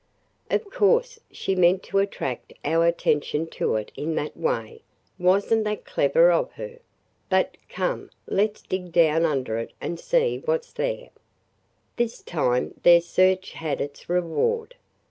Of course she meant to attract our attention to it in that way. Was n't that clever of her! But, come, let 's dig down under it and see what 's there!" This time their search had its reward.